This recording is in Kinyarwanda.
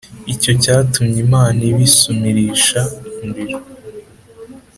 Icyo cyatumye Imana iba isumirisha muriro